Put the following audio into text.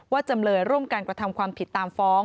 ว่าจำไดรมกันกระทำความผิดตามฟ้อง